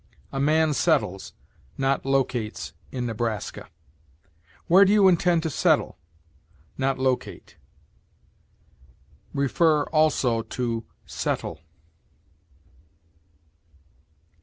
A man settles, not locates, in Nebraska. "Where do you intend to settle?" not locate. See, also, SETTLE.